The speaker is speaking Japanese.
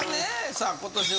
さあ今年の。